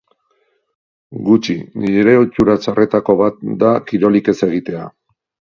Gutxi, nire ohitura txarretako bat da kirolik ez egitea.